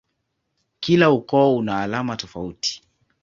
Kila ukoo una alama tofauti.